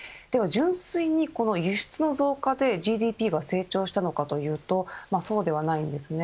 純粋にこの輸出の増加でＧＤＰが成長したのかというとそうではないんですね。